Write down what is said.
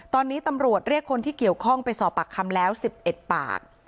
ตอนนี้ตำรวจเรียกคนที่เกี่ยวข้องไปสอบปากคำแล้ว๑๑ปาก